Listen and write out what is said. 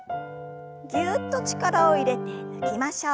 ぎゅっと力を入れて抜きましょう。